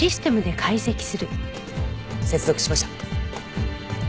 接続しました。